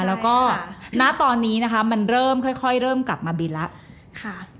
แล้วก็ณตอนนี้นะคะมันเริ่มค่อยเข้ามาบินแล้ว